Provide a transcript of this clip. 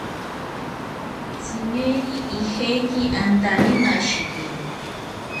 Tzimeri ijeki antamimashiki